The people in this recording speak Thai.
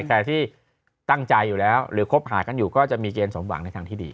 ใครที่ตั้งใจอยู่แล้วหรือคบหากันอยู่ก็จะมีเกณฑ์สมหวังในทางที่ดี